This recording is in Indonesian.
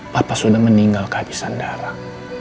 papa sudah meninggal kehabisan darah